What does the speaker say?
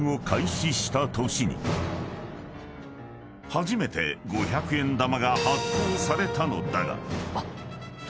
［初めて５００円玉が発行されたのだが］